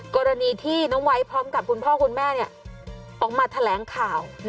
กรณีที่น้องไว้พร้อมกับคุณพ่อคุณแม่ออกมาแถลงข่าว